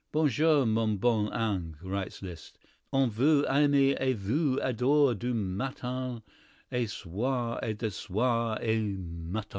"Bonjour, mon bon ange!" writes Liszt. "On vous aime et vous adore du matin au soir et du soir au matin."